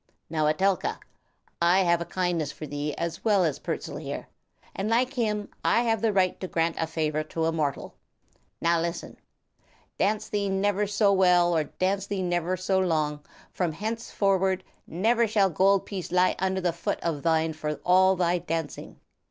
Now, Etelka, I have a kindness for thee as well as Pertzal here, and like him I have the right to grant a favor to a mortal. Now, listen. Dance thee never so well or dance thee never so long, from henceforward shall never gold piece lie under foot of thine for all thy dancing!